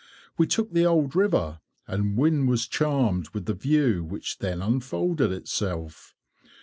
We took the old river, and Wynne was charmed with the view which then unfolded itself.